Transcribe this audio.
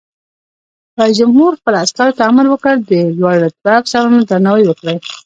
رئیس جمهور خپلو عسکرو ته امر وکړ؛ د لوړ رتبه افسرانو درناوی وکړئ!